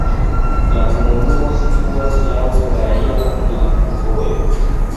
La komunumo situas laŭ traira flankovojo.